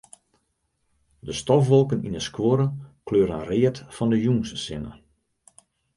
De stofwolken yn 'e skuorre kleuren read fan de jûnssinne.